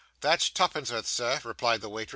'That's twopenn'orth, sir,' replied the waiter.